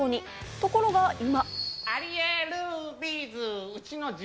ところが今。